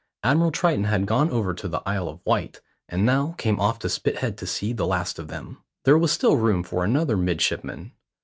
Admiral Triton had gone over to the Isle of Wight, and now came off to Spithead to see the last of them. There was still room for another midshipman.